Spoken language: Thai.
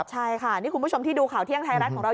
ใช่คุณผู้ชมที่ดูข่าวเที่ยงไทยรัฐตรงเรา